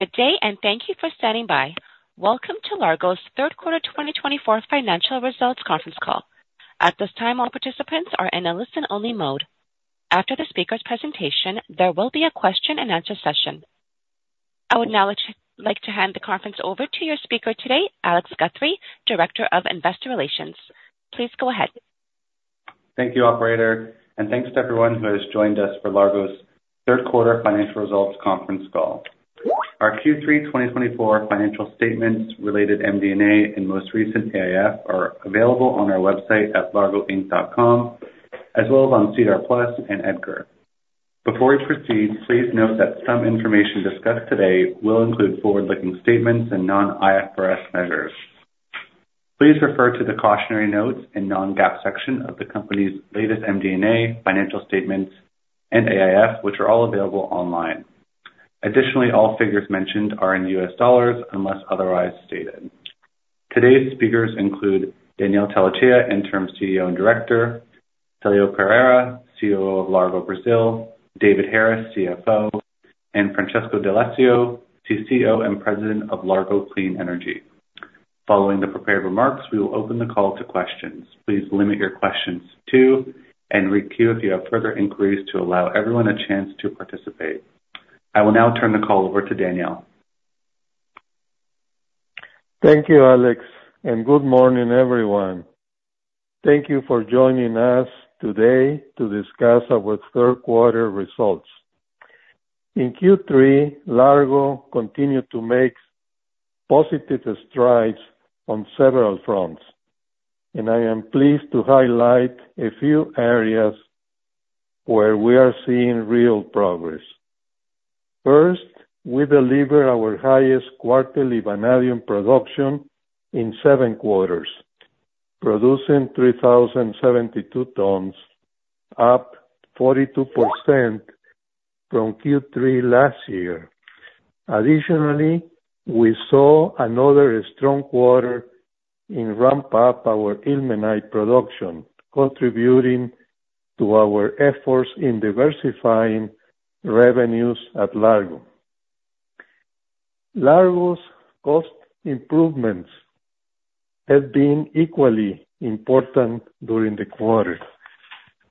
Good day, and thank you for standing by. Welcome to Largo's third quarter 2024 financial results conference call. At this time, all participants are in a listen-only mode. After the speaker's presentation, there will be a question-and-answer session. I would now like to hand the conference over to your speaker today, Alex Guthrie, Director of Investor Relations. Please go ahead. Thank you, Operator, and thanks to everyone who has joined us for Largo's third quarter financial results conference call. Our Q3 2024 financial statements, related MD&A, and most recent AIF are available on our website at largoinc.com, as well as on SEDAR+ and EDGAR. Before we proceed, please note that some information discussed today will include forward-looking statements and non-IFRS measures. Please refer to the cautionary notes and non-GAAP section of the company's latest MD&A, financial statements, and AIF, which are all available online. Additionally, all figures mentioned are in US dollars unless otherwise stated. Today's speakers include Daniel Tellechea, Interim CEO and Director, Célio Pereira, COO of Largo Brazil, David Harris, CFO, and Francesco D'Alessio, CCO and President of Largo Clean Energy. Following the prepared remarks, we will open the call to questions. Please limit your questions to two, and re-queue if you have further inquiries to allow everyone a chance to participate. I will now turn the call over to Daniel. Thank you, Alex, and good morning, everyone. Thank you for joining us today to discuss our third quarter results. In Q3, Largo continued to make positive strides on several fronts, and I am pleased to highlight a few areas where we are seeing real progress. First, we delivered our highest quarterly vanadium production in seven quarters, producing 3,072 tons, up 42% from Q3 last year. Additionally, we saw another strong quarter in ramping up our ilmenite production, contributing to our efforts in diversifying revenues at Largo. Largo's cost improvements have been equally important during the quarter.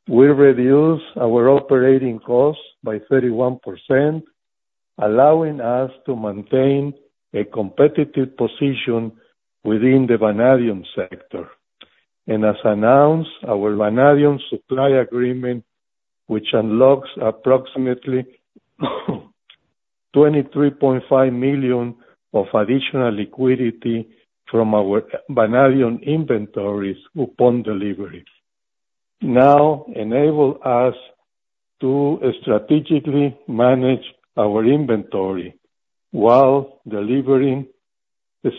We reduced our operating costs by 31%, allowing us to maintain a competitive position within the vanadium sector, and as announced, our vanadium supply agreement, which unlocks approximately $23.5 million of additional liquidity from our vanadium inventories upon delivery, now enables us to strategically manage our inventory while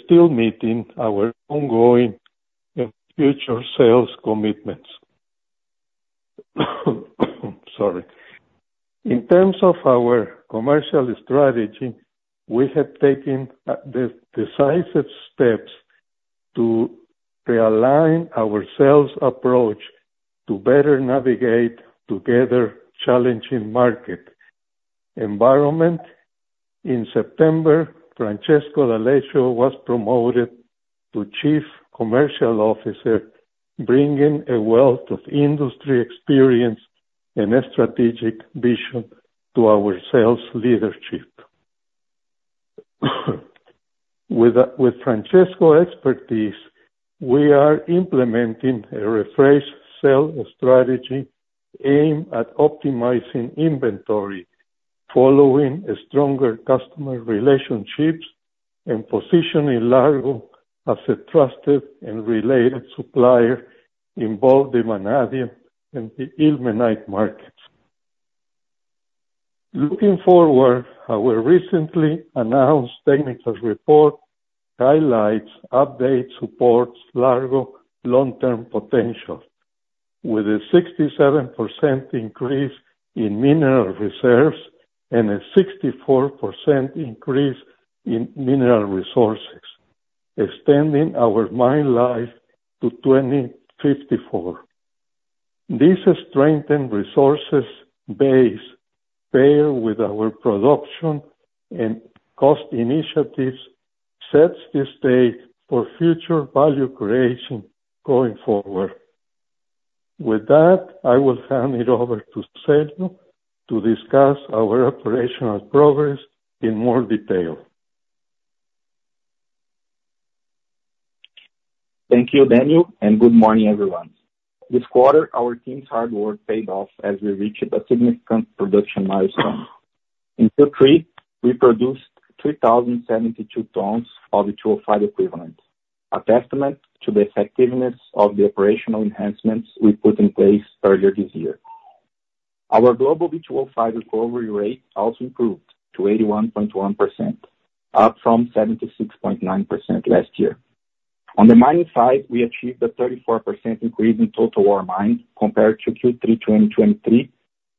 still meeting our ongoing future sales commitments. Sorry. In terms of our commercial strategy, we have taken the decisive steps to realign our sales approach to better navigate the challenging market environments. In September, Francesco D'Alessio was promoted to Chief Commercial Officer, bringing a wealth of industry experience and a strategic vision to our sales leadership. With Francesco's expertise, we are implementing a refreshed sales strategy aimed at optimizing inventory, fostering stronger customer relationships, and positioning Largo as a trusted and reliable supplier in both the vanadium and the ilmenite markets. Looking forward, our recently announced technical report highlights updates supporting Largo's long-term potential, with a 67% increase in mineral reserves and a 64% increase in mineral resources, extending our mine life to 2054. This strengthened resource base, paired with our production and cost initiatives, sets the stage for future value creation going forward. With that, I will hand it over to Célio to discuss our operational progress in more detail. Thank you, Daniel, and good morning, everyone. This quarter, our team's hard work paid off as we reached a significant production milestone. In Q3, we produced 3,072 tons of V2O5 equivalent, a testament to the effectiveness of the operational enhancements we put in place earlier this year. Our global V2O5 recovery rate also improved to 81.1%, up from 76.9% last year. On the mining side, we achieved a 34% increase in total ore mined compared to Q3 2023,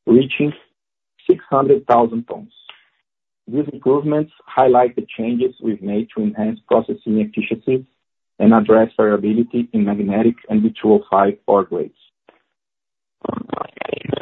reaching 600,000 tons. These improvements highlight the changes we've made to enhance processing efficiencies and address variability in magnetic and V2O5 ore grades. On the mining side, the mine has been increasingly de-risked, but mining is cost-intensive, and we have been having increasing issues with mining as we've been able to find a way in the lost zone, which reduces the overall carbon emissions reduction and lower costs this quarter. This is part of our journey for our team. Our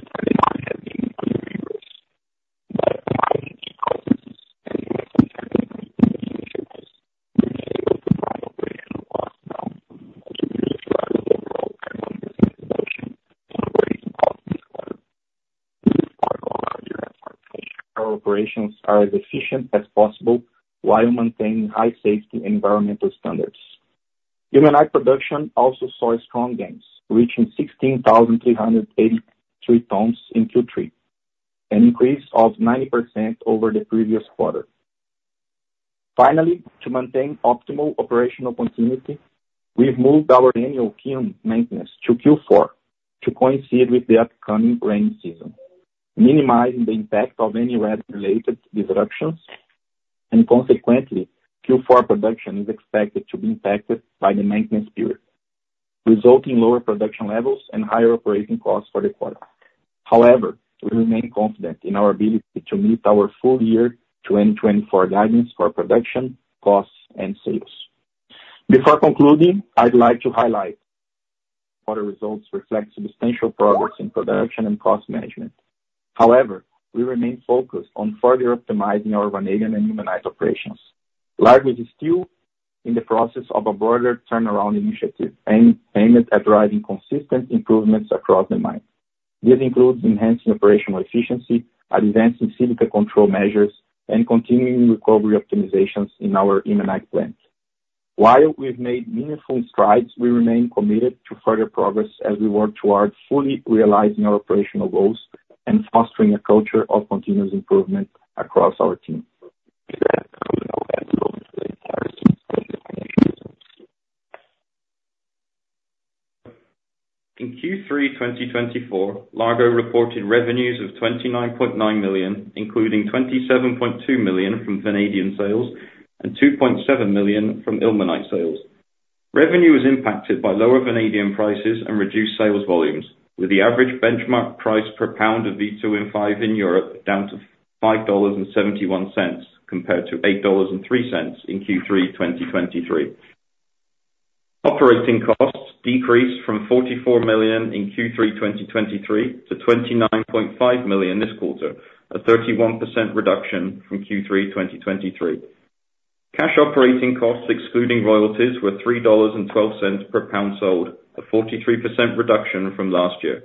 operations are as efficient as possible while maintaining high safety and environmental standards. Ilmenite production also saw strong gains, reaching 16,383 tons in Q3, an increase of 90% over the previous quarter. Finally, to maintain optimal operational continuity, we've moved our annual kiln maintenance to Q4 to coincide with the upcoming rainy season, minimizing the impact of any weather-related disruptions, and consequently, Q4 production is expected to be impacted by the maintenance period, resulting in lower production levels and higher operating costs for the quarter. However, we remain confident in our ability to meet our full-year 2024 guidance for production, costs, and sales. Before concluding, I'd like to highlight that quarter results reflect substantial progress in production and cost management. However, we remain focused on further optimizing our vanadium and ilmenite operations. Largo is still in the process of a broader turnaround initiative aimed at driving consistent improvements across the mine. This includes enhancing operational efficiency, advancing silica control measures, and continuing recovery optimizations in our ilmenite plant. While we've made meaningful strides, we remain committed to further progress as we work toward fully realizing our operational goals and fostering a culture of continuous improvement across our team. In Q3 2024, Largo reported revenues of $29.9 million, including $27.2 million from vanadium sales and $2.7 million from ilmenite sales. Revenue was impacted by lower vanadium prices and reduced sales volumes, with the average benchmark price per pound of V2O5 in Europe down to $5.71 compared to $8.03 in Q3 2023. Operating costs decreased from $44 million in Q3 2023 to $29.5 million this quarter, a 31% reduction from Q3 2023. Cash operating costs, excluding royalties, were $3.12 per pound sold, a 43% reduction from last year.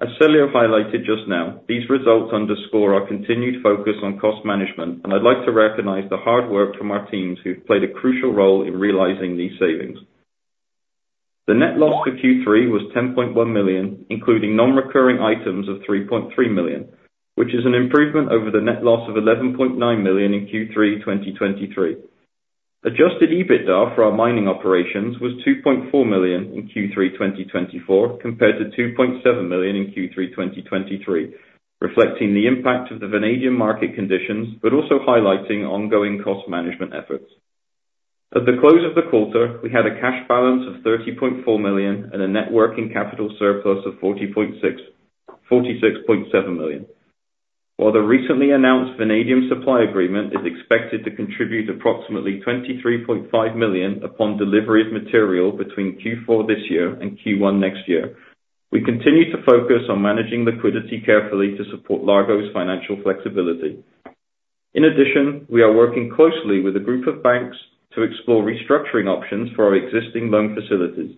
As Célio highlighted just now, these results underscore our continued focus on cost management, and I'd like to recognize the hard work from our teams who've played a crucial role in realizing these savings. The net loss for Q3 was $10.1 million, including non-recurring items of $3.3 million, which is an improvement over the net loss of $11.9 million in Q3 2023. Adjusted EBITDA for our mining operations was $2.4 million in Q3 2024 compared to $2.7 million in Q3 2023, reflecting the impact of the vanadium market conditions but also highlighting ongoing cost management efforts. At the close of the quarter, we had a cash balance of $30.4 million and a net working capital surplus of $46.7 million. While the recently announced vanadium supply agreement is expected to contribute approximately $23.5 million upon delivery of material between Q4 this year and Q1 next year, we continue to focus on managing liquidity carefully to support Largo's financial flexibility. In addition, we are working closely with a group of banks to explore restructuring options for our existing loan facilities.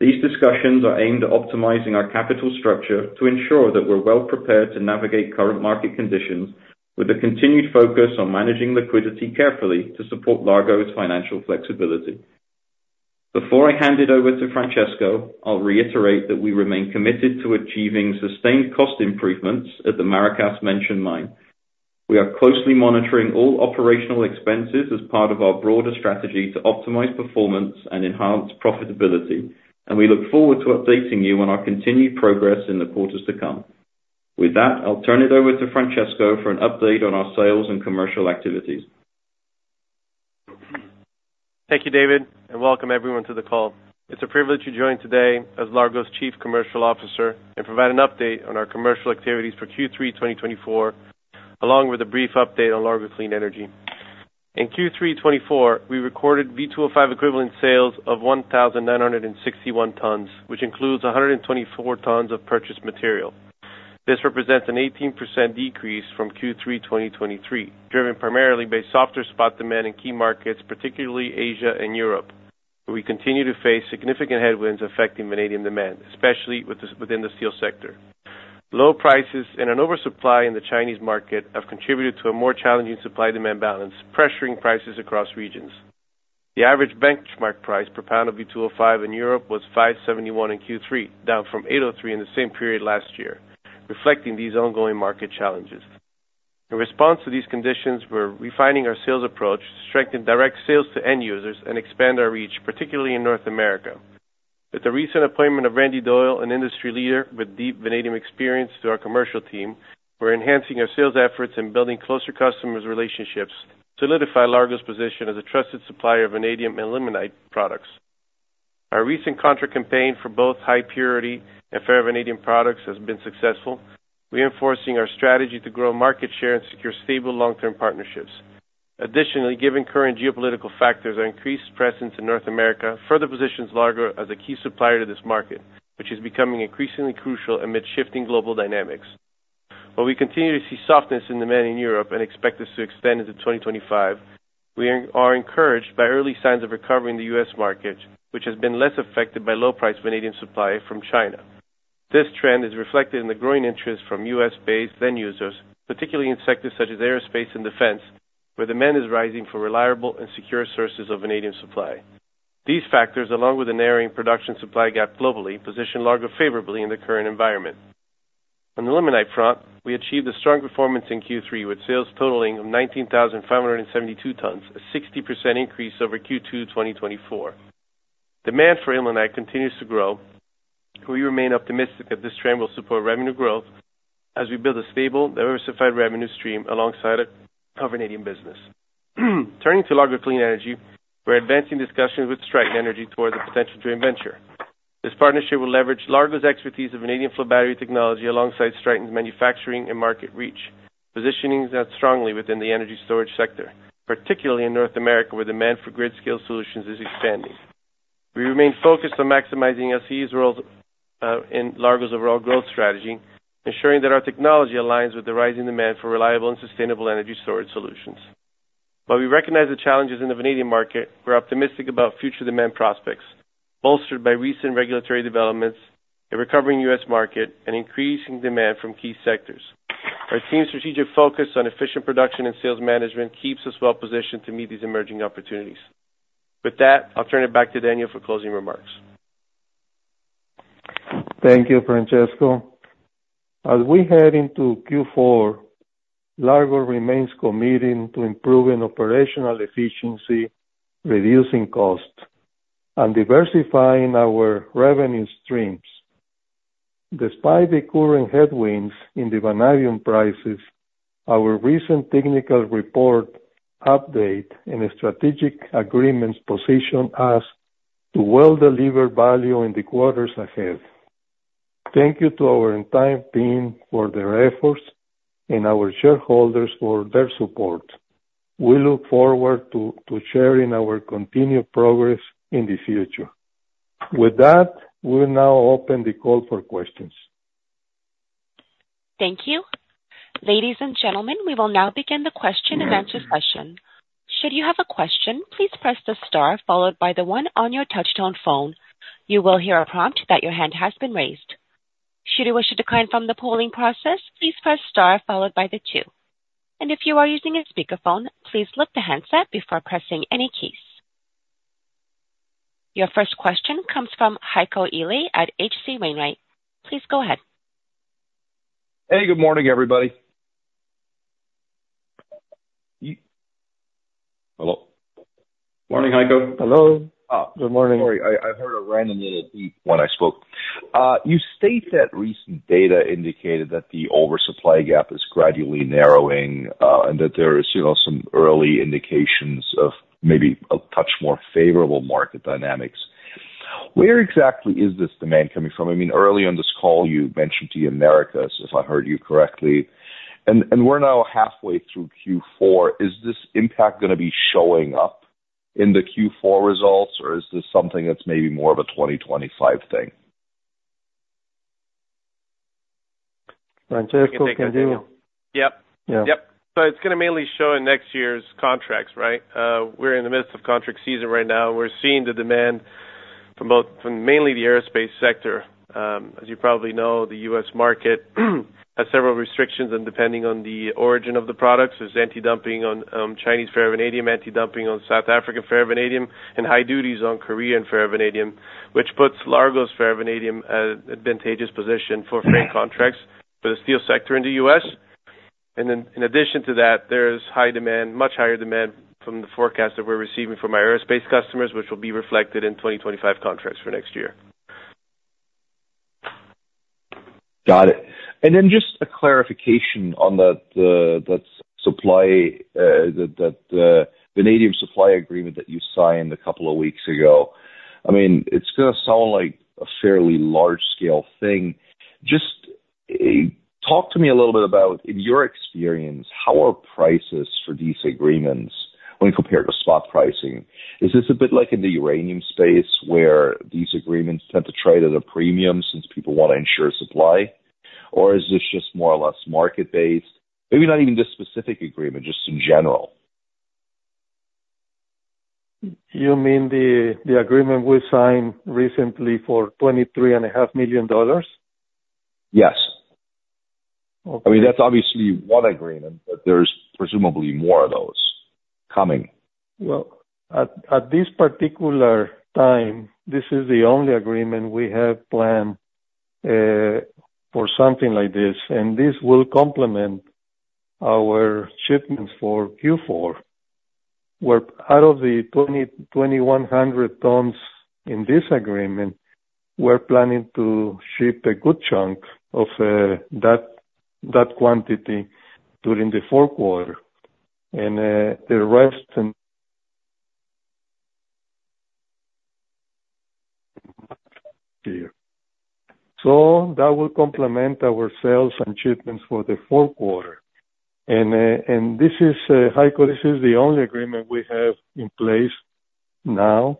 These discussions are aimed at optimizing our capital structure to ensure that we're well-prepared to navigate current market conditions, with a continued focus on managing liquidity carefully to support Largo's financial flexibility. Before I hand it over to Francesco, I'll reiterate that we remain committed to achieving sustained cost improvements at the Maracás Menchen Mine. We are closely monitoring all operational expenses as part of our broader strategy to optimize performance and enhance profitability, and we look forward to updating you on our continued progress in the quarters to come. With that, I'll turn it over to Francesco for an update on our sales and commercial activities. Thank you, David, and welcome everyone to the call. It's a privilege to join today as Largo's Chief Commercial Officer and provide an update on our commercial activities for Q3 2024, along with a brief update on Largo Clean Energy. In Q3 2024, we recorded V2O5 equivalent sales of 1,961 tons, which includes 124 tons of purchased material. This represents an 18% decrease from Q3 2023, driven primarily by softer spot demand in key markets, particularly Asia and Europe, where we continue to face significant headwinds affecting vanadium demand, especially within the steel sector. Low prices and an oversupply in the Chinese market have contributed to a more challenging supply-demand balance, pressuring prices across regions. The average benchmark price per pound of V2O5 in Europe was $5.71 in Q3, down from $8.03 in the same period last year, reflecting these ongoing market challenges. In response to these conditions, we're refining our sales approach to strengthen direct sales to end users and expand our reach, particularly in North America. With the recent appointment of Randy Doyle, an industry leader with deep vanadium experience, to our commercial team, we're enhancing our sales efforts and building closer customer relationships to solidify Largo's position as a trusted supplier of vanadium and ilmenite products. Our recent contract campaign for both high-purity and ferrovanadium products has been successful, reinforcing our strategy to grow market share and secure stable long-term partnerships. Additionally, given current geopolitical factors and increased presence in North America, it further positions Largo as a key supplier to this market, which is becoming increasingly crucial amid shifting global dynamics. While we continue to see softness in demand in Europe and expect this to extend into 2025, we are encouraged by early signs of recovery in the U.S. market, which has been less affected by low-priced vanadium supply from China. This trend is reflected in the growing interest from U.S.-based end users, particularly in sectors such as aerospace and defense, where demand is rising for reliable and secure sources of vanadium supply. These factors, along with the narrowing production-supply gap globally, position Largo favorably in the current environment. On the ilmenite front, we achieved a strong performance in Q3, with sales totaling 19,572 tons, a 60% increase over Q2 2024. Demand for ilmenite continues to grow, and we remain optimistic that this trend will support revenue growth as we build a stable, diversified revenue stream alongside our vanadium business. Turning to Largo Clean Energy, we're advancing discussions with Stryten Energy toward a potential joint venture. This partnership will leverage Largo's expertise in vanadium flow battery technology alongside Stryten's manufacturing and market reach, positioning us strongly within the energy storage sector, particularly in North America, where demand for grid-scale solutions is expanding. We remain focused on maximizing LCE's role in Largo's overall growth strategy, ensuring that our technology aligns with the rising demand for reliable and sustainable energy storage solutions. While we recognize the challenges in the vanadium market, we're optimistic about future demand prospects, bolstered by recent regulatory developments, a recovering U.S. market, and increasing demand from key sectors. Our team's strategic focus on efficient production and sales management keeps us well-positioned to meet these emerging opportunities. With that, I'll turn it back to Daniel for closing remarks. Thank you, Francesco. As we head into Q4, Largo remains committed to improving operational efficiency, reducing costs, and diversifying our revenue streams. Despite the current headwinds in the vanadium prices, our recent technical report update and strategic agreements position us well to deliver value in the quarters ahead. Thank you to our entire team for their efforts and our shareholders for their support. We look forward to sharing our continued progress in the future. With that, we'll now open the call for questions. Thank you. Ladies and gentlemen, we will now begin the question-and-answer session. Should you have a question, please press the star followed by the one on your touch-tone phone. You will hear a prompt that your hand has been raised. Should you wish to withdraw from the polling process, please press star followed by the two, and if you are using a speakerphone, please flip the handset before pressing any keys. Your first question comes from Heiko Ihle at H.C. Wainwright. Please go ahead. Hey, good morning, everybody. Hello? Morning, Heiko. Hello. Good morning. Sorry, I heard a random little beep when I spoke. You state that recent data indicated that the oversupply gap is gradually narrowing and that there are some early indications of maybe a touch more favorable market dynamics. Where exactly is this demand coming from? I mean, early on this call, you mentioned the Americas, if I heard you correctly. And we're now halfway through Q4. Is this impact going to be showing up in the Q4 results, or is this something that's maybe more of a 2025 thing? Francesco, can you? Yep. Yep. So it's going to mainly show in next year's contracts, right? We're in the midst of contract season right now, and we're seeing the demand from mainly the aerospace sector. As you probably know, the U.S. market has several restrictions depending on the origin of the products. There's anti-dumping on Chinese ferrovanadium, anti-dumping on South African ferrovanadium, and high duties on Korean ferrovanadium, which puts Largo's ferrovanadium in an advantageous position for firm contracts for the steel sector in the U.S. And then, in addition to that, there's high demand, much higher demand from the forecast that we're receiving from our aerospace customers, which will be reflected in 2025 contracts for next year. Got it. And then just a clarification on that supply, that vanadium supply agreement that you signed a couple of weeks ago. I mean, it's going to sound like a fairly large-scale thing. Just talk to me a little bit about, in your experience, how are prices for these agreements when compared to spot pricing? Is this a bit like in the uranium space where these agreements tend to trade at a premium since people want to ensure supply? Or is this just more or less market-based? Maybe not even this specific agreement, just in general. You mean the agreement we signed recently for $23.5 million? Yes. I mean, that's obviously one agreement, but there's presumably more of those coming. At this particular time, this is the only agreement we have planned for something like this, and this will complement our shipments for Q4, where out of the 2,100 tons in this agreement, we're planning to ship a good chunk of that quantity during the fourth quarter, and the rest in here. So that will complement our sales and shipments for the fourth quarter. And this is, Heiko, this is the only agreement we have in place now.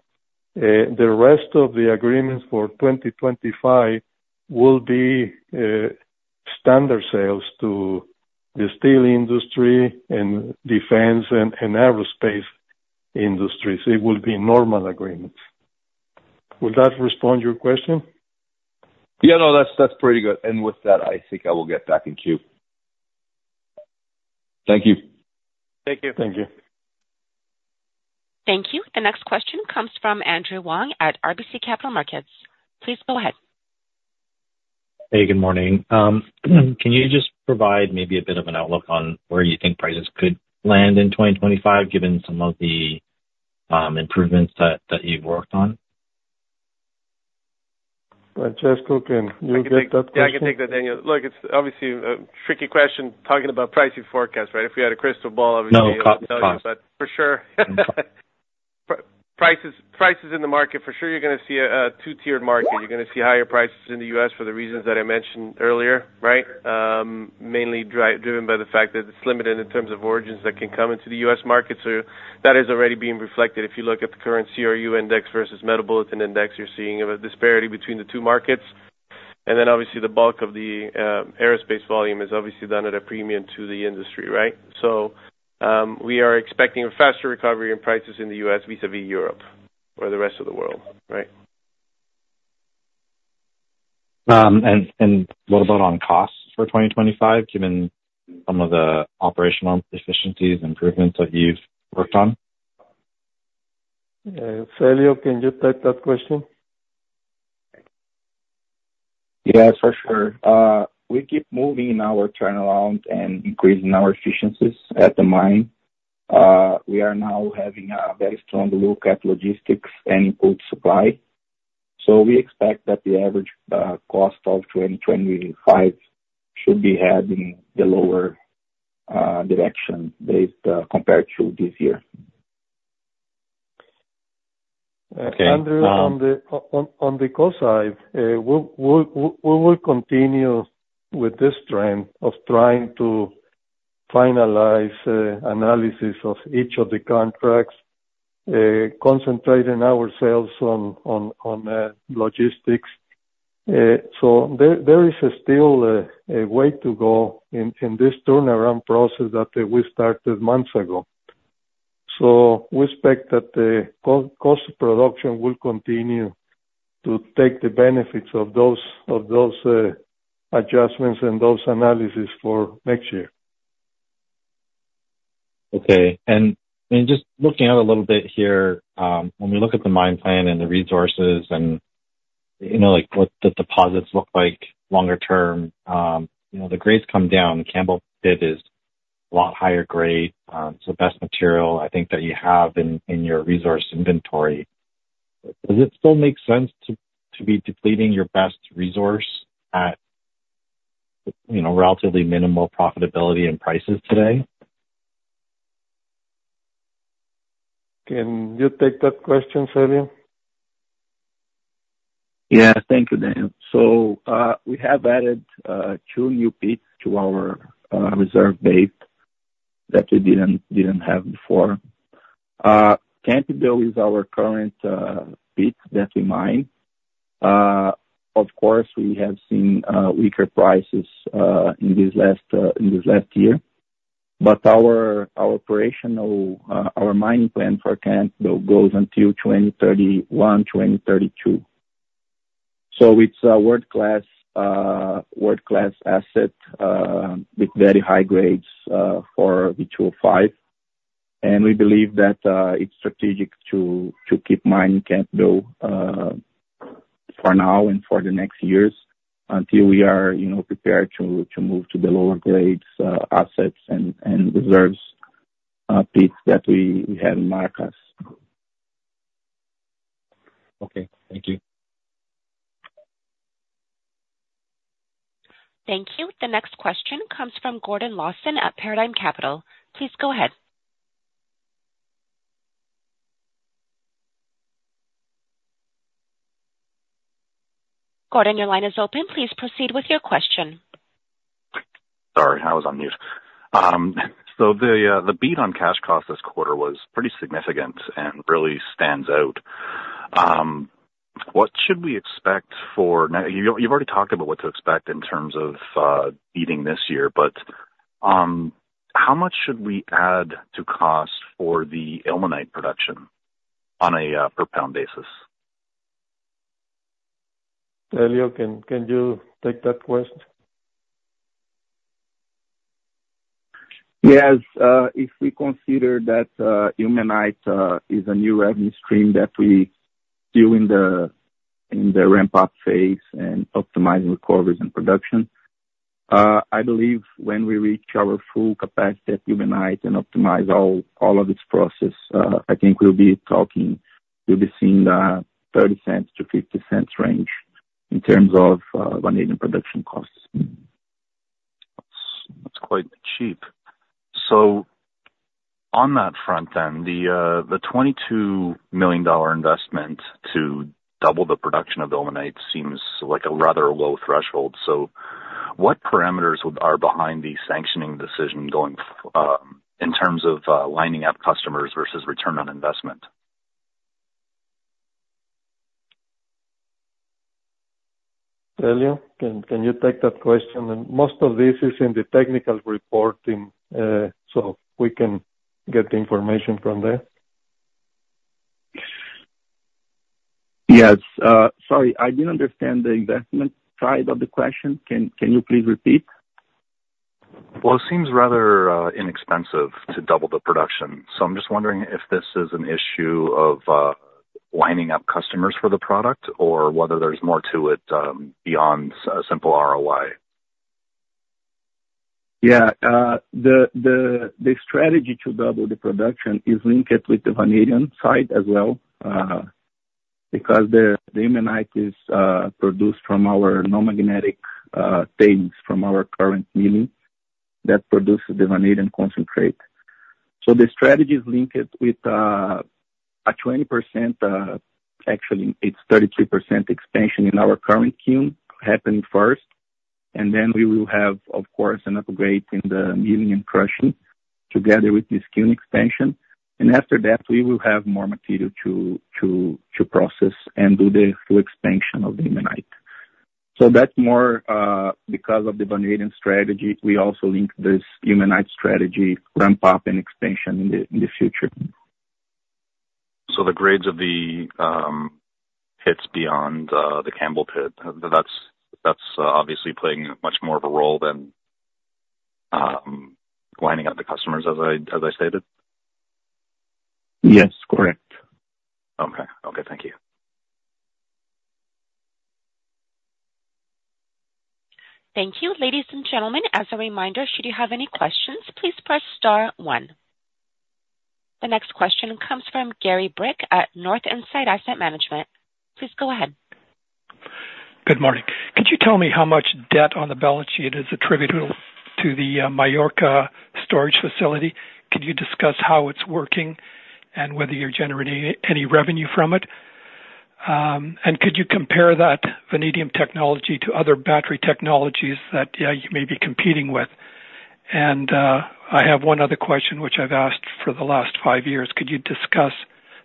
The rest of the agreements for 2025 will be standard sales to the steel industry and defense and aerospace industries. It will be normal agreements. Will that respond to your question? Yeah, no, that's pretty good. And with that, I think I will get back in queue. Thank you. Thank you. Thank you. Thank you. The next question comes from Andrew Wong at RBC Capital Markets. Please go ahead. Hey, good morning. Can you just provide maybe a bit of an outlook on where you think prices could land in 2025, given some of the improvements that you've worked on? Francesco, can you get that question? Yeah, I can take that, Daniel. Look, it's obviously a tricky question talking about pricing forecasts, right? If we had a crystal ball, obviously. No, costs. For sure. Prices in the market, for sure, you're going to see a two-tiered market. You're going to see higher prices in the U.S. for the reasons that I mentioned earlier, right? Mainly driven by the fact that it's limited in terms of origins that can come into the U.S. market. So that is already being reflected. If you look at the current CRU index versus Metal Bulletin index, you're seeing a disparity between the two markets. And then, obviously, the bulk of the aerospace volume is obviously done at a premium to the industry, right? So we are expecting a faster recovery in prices in the U.S. vis-à-vis Europe or the rest of the world, right? What about on costs for 2025, given some of the operational efficiencies and improvements that you've worked on? Célio, can you take that question? Yeah, for sure. We keep moving in our turnaround and increasing our efficiencies at the mine. We are now having a very strong look at logistics and input supply. So we expect that the average cost of 2025 should be heading in the lower direction compared to this year. Okay. On the call side, we will continue with this trend of trying to finalize analysis of each of the contracts, concentrating ourselves on logistics. So there is still a way to go in this turnaround process that we started months ago. So we expect that the cost of production will continue to take the benefits of those adjustments and those analyses for next year. Okay, and just looking out a little bit here, when we look at the mine plan and the resources and what the deposits look like longer term, the grades come down. Campbell Pit is a lot higher grade. It's the best material, I think, that you have in your resource inventory. Does it still make sense to be depleting your best resource at relatively minimal profitability and prices today? Can you take that question, Célio? Yeah, thank you, Daniel. So we have added two new pits to our reserve base that we didn't have before. Campbell is our current pit that we mine. Of course, we have seen weaker prices in this last year. But our operational, our mining plan for Campbell goes until 2031, 2032. So it's a world-class asset with very high grades for the V2O5. And we believe that it's strategic to keep mining Campbell for now and for the next years until we are prepared to move to the lower-grade assets and reserves pits that we have in Maracás. Okay. Thank you. Thank you. The next question comes from Gordon Lawson at Paradigm Capital. Please go ahead. Gordon, your line is open. Please proceed with your question. Sorry, I was on mute, so the beat on cash costs this quarter was pretty significant and really stands out. What should we expect going forward? You've already talked about what to expect in terms of beating this year, but how much should we add to cost for the ilmenite production on a per pound basis? Célio, can you take that question? Yes. If we consider that Ilmenite is a new revenue stream that we do in the ramp-up phase and optimize recoveries and production, I believe when we reach our full capacity at Ilmenite and optimize all of its processes, I think we'll be seeing the $0.30-$0.50 range in terms of vanadium production costs. That's quite cheap. So on that front, then, the $22 million investment to double the production of ilmenite seems like a rather low threshold. So what parameters are behind the sanctioning decision going in terms of lining up customers versus return on investment? Célio, can you take that question? And most of this is in the technical reporting, so we can get the information from there. Yes. Sorry, I didn't understand the investment side of the question. Can you please repeat? It seems rather inexpensive to double the production. I'm just wondering if this is an issue of lining up customers for the product or whether there's more to it beyond a simple ROI. Yeah. The strategy to double the production is linked with the vanadium side as well because the ilmenite is produced from our non-magnetic things from our current milling that produces the vanadium concentrate. So the strategy is linked with a 20%, actually, it's 33% expansion in our current kiln happening first. And then we will have, of course, an upgrade in the milling and crushing together with this queue expansion. And after that, we will have more material to process and do the full expansion of the ilmenite. So that's more because of the vanadium strategy. We also link this ilmenite strategy ramp-up and expansion in the future. So the grades of the pits beyond the Campbell Pit, that's obviously playing much more of a role than lining up the customers, as I stated? Yes, correct. Okay. Okay. Thank you. Thank you. Ladies and gentlemen, as a reminder, should you have any questions, please press star one. The next question comes from Gary Bryck at North Insight Asset Management. Please go ahead. Good morning. Could you tell me how much debt on the balance sheet is attributed to the Majorca storage facility? Could you discuss how it's working and whether you're generating any revenue from it? And could you compare that vanadium technology to other battery technologies that you may be competing with? And I have one other question, which I've asked for the last five years. Could you discuss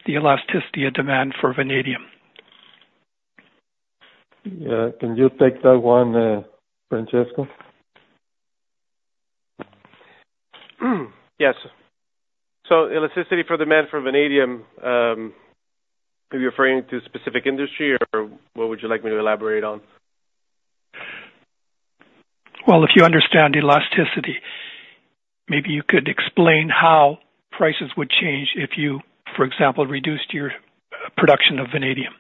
the elasticity of demand for vanadium? Yeah. Can you take that one, Francesco? Yes, so elasticity for demand for vanadium, are you referring to a specific industry, or what would you like me to elaborate on? If you understand elasticity, maybe you could explain how prices would change if you, for example, reduced your production of vanadium.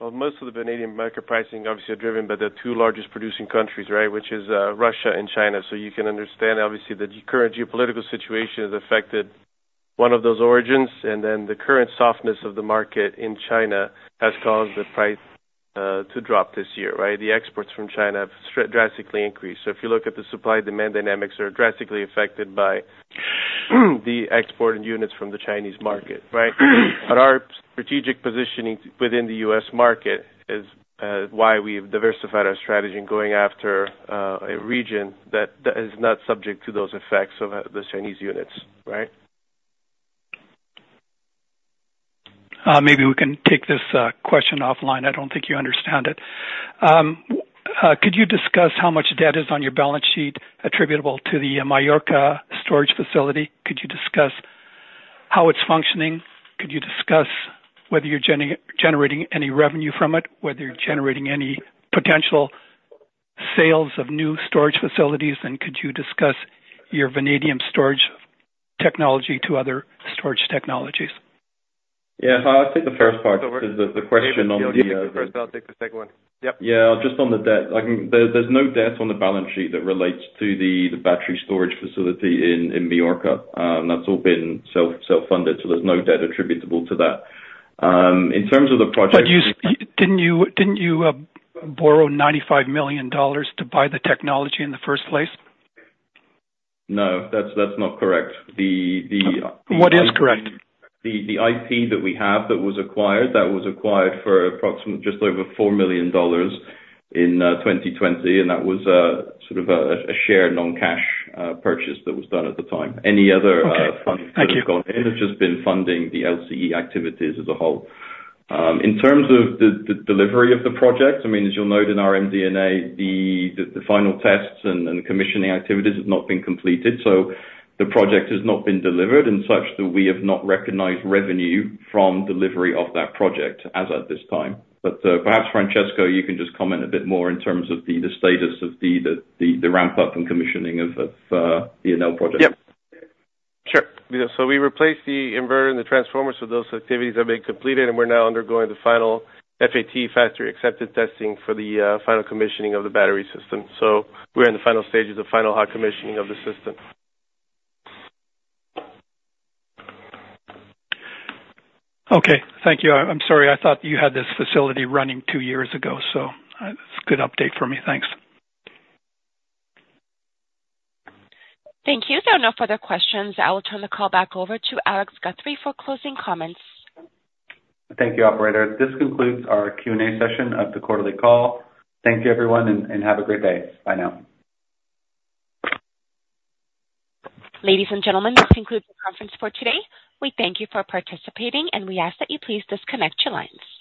Most of the vanadium market pricing is obviously driven by the two largest producing countries, right, which are Russia and China. So you can understand, obviously, that the current geopolitical situation has affected one of those origins. And then the current softness of the market in China has caused the price to drop this year, right? The exports from China have drastically increased. So if you look at the supply-demand dynamics, they're drastically affected by the exported units from the Chinese market, right? But our strategic positioning within the U.S. market is why we've diversified our strategy in going after a region that is not subject to those effects of the Chinese units, right? Maybe we can take this question offline. I don't think you understand it. Could you discuss how much debt is on your balance sheet attributable to the Majorca storage facility? Could you discuss how it's functioning? Could you discuss whether you're generating any revenue from it, whether you're generating any potential sales of new storage facilities? And could you discuss your vanadium storage technology to other storage technologies? Yeah. I'll take the first part. The question on the. I'll take the first part. I'll take the second one. Yep. Yeah. Just on the debt. There's no debt on the balance sheet that relates to the battery storage facility in Majorca. That's all been self-funded, so there's no debt attributable to that. In terms of the project. Didn't you borrow $95 million to buy the technology in the first place? No. That's not correct. What is correct? The IP that we have that was acquired, that was acquired for approximately just over $4 million in 2020, and that was sort of a share non-cash purchase that was done at the time. Any other funds could have gone in. It's just been funding the LCE activities as a whole. In terms of the delivery of the project, I mean, as you'll note in our MD&A, the final tests and commissioning activities have not been completed, so the project has not been delivered in such that we have not recognized revenue from delivery of that project as at this time, but perhaps, Francesco, you can just comment a bit more in terms of the status of the ramp-up and commissioning of the Enel project. Yep. Sure. So we replaced the inverter and the transformer, so those activities have been completed. And we're now undergoing the final FAT Factory Acceptance Testing for the final commissioning of the battery system. So we're in the final stages of final hot commissioning of the system. Okay. Thank you. I'm sorry. I thought you had this facility running two years ago, so that's a good update for me. Thanks. Thank you. There are no further questions. I will turn the call back over to Alex Guthrie for closing comments. Thank you, operator. This concludes our Q&A session of the quarterly call. Thank you, everyone, and have a great day. Bye now. Ladies and gentlemen, this concludes the conference for today. We thank you for participating, and we ask that you please disconnect your lines.